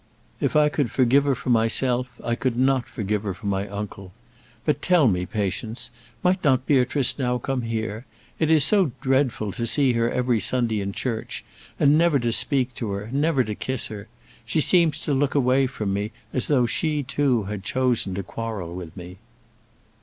If I could forgive her for myself, I could not forgive her for my uncle. But tell me, Patience, might not Beatrice now come here? It is so dreadful to see her every Sunday in church and never to speak to her, never to kiss her. She seems to look away from me as though she too had chosen to quarrel with me."